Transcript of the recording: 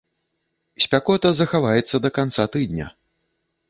Спякота захаваецца да канца тыдня.